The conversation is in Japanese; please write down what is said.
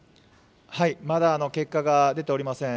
まだ結果が出ておりません。